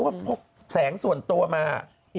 ก็นึกว่าพกแสงส่วนตัวมา